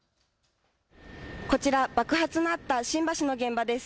こちら、爆発のあった新橋の現場です。